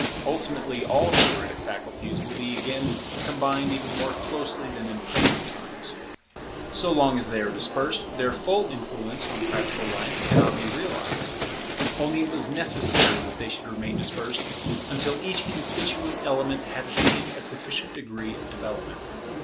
Ultimately all theoretic faculties will be again combined even more closely than in primitive times. So long as they are dispersed, their full influence on practical life cannot be realized. Only it was necessary that they should remain dispersed until each constituent element had attained a sufficient degree of development.